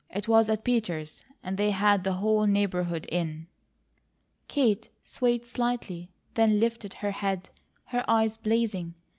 "It was at Peters', and they had the whole neighbourhood in." Kate swayed slightly, then lifted her head, her eyes blazing.